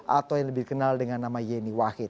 atau yang lebih dikenal dengan nama yeni wahid